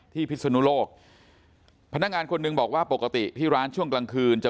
พิศนุโลกพนักงานคนหนึ่งบอกว่าปกติที่ร้านช่วงกลางคืนจะ